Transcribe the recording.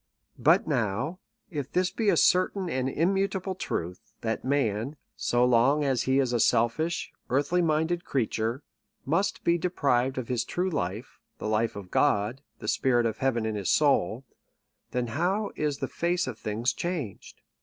But now, if this be a certain and immutable truth, that man, so long as he is a selfish, earthly minded creature, must be deprived of his true life, the life of God, the spirit of heaven in his soul ; then how is the face of things changed